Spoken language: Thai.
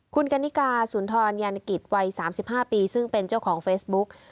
คุณกันนิกาสุนทรยานกิจวัย๓๕ปีซึ่งเป็นเจ้าของเฟซบุ๊ก